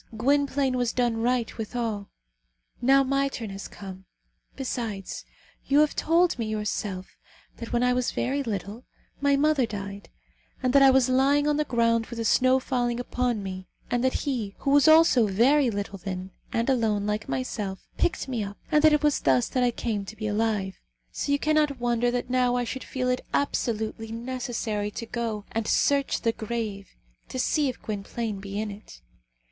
Gwynplaine has done right, withal. Now my turn has come. Besides, you have told me yourself, that when I was very little, my mother died, and that I was lying on the ground with the snow falling upon me, and that he, who was also very little then, and alone, like myself, picked me up, and that it was thus that I came to be alive; so you cannot wonder that now I should feel it absolutely necessary to go and search the grave to see if Gwynplaine be in it.